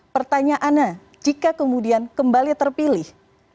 pertanyaannya jika kemudian kembali terpilih